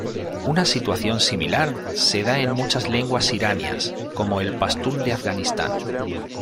Una situación similar se da en muchas lenguas iranias, como el pastún de Afganistán.